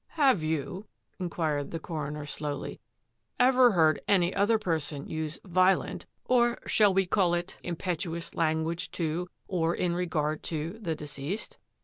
" Have you," inquired the coroner slowly, " ever heard any other person use violent, or shall we call it ^ impetuous,' language to, or in regard to, the deceased?